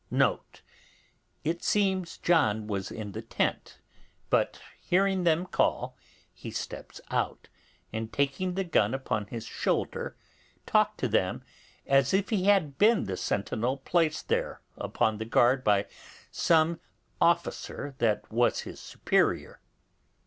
It seems John was in the tent, but hearing them call, he steps out, and taking the gun upon his shoulder, talked to them as if he had been the sentinel placed there upon the guard by some officer that was his superior.